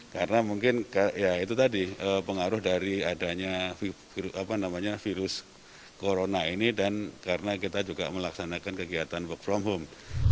karena mungkin ya itu tadi pengaruh dari adanya virus corona ini dan karena kita juga melaksanakan kegiatan work from home